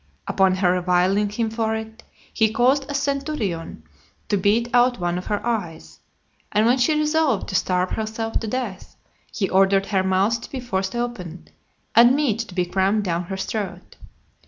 Upon her reviling him for it, he caused a centurion to beat out one of her eyes; and when she resolved to starve herself to death, he ordered her mouth to be forced open, and meat to be crammed down her throat.